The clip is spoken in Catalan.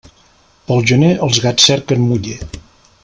Pel gener els gats cerquen muller.